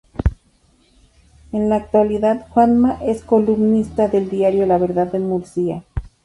En la actualidad, Juanma es columnista del diario 'La Verdad de Murcia'.